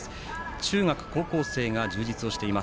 中学、高校生が充実しています。